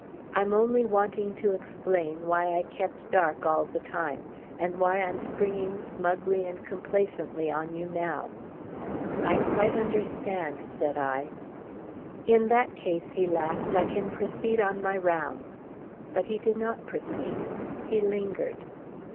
I'm only wanting to explain why I kept dark all the time, and why I'm springing smugly and complacently on you now." "I quite understand," said I. "In that case," he laughed, "I can proceed on my rounds." But he did not proceed. He lingered.